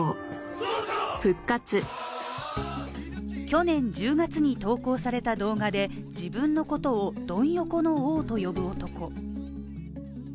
去年１０月に投稿された動画で自分のことを、ドン横の王と呼ぶ男